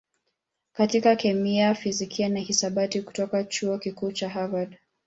katika kemia, fizikia na hisabati kutoka Chuo Kikuu cha Harvard.